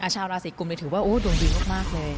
ชาวราศีกุมถือว่าดวงดีมากเลย